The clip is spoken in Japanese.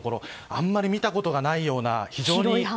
あんまり見たことがないような。